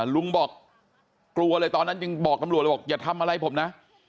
ลุงบอกกลัวเลยตอนนั้นยังบอกตำรวจเลยบอกอย่าทำอะไรผมนะ